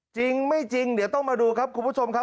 จริงไม่จริงเดี๋ยวต้องมาดูครับคุณผู้ชมครับ